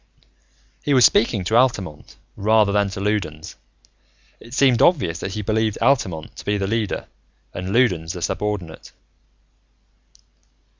He was speaking to Altamont, rather than to Loudons. It seemed obvious that he believed Altamont to be the leader and Loudons the subordinate.